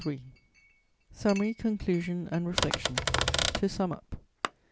] SUMMARY, CONCLUSION AND REFLECTIONS "To sum up: "1.